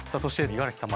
五十嵐さん